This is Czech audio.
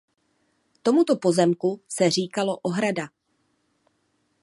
Tomuto pozemku se říkalo "Ohrada".